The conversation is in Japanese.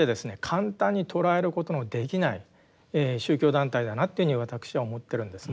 簡単に捉えることのできない宗教団体だなっていうふうに私は思ってるんですね。